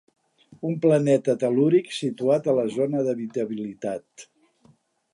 Un planeta tel·lúric situat a la zona d'habitabilitat.